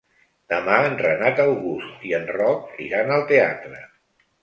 Demà en Renat August i en Roc iran al teatre.